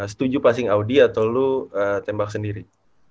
setuju passing audi atau lu tembak sendiri